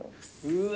うわ。